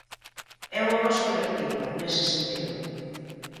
É unha voz colectiva, nese sentido.